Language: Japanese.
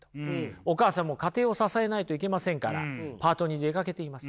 お母さんも家庭を支えないといけませんからパートに出かけています。